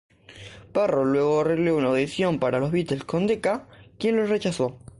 Barrow luego arregló una audición para los Beatles con Decca, quien los rechazó.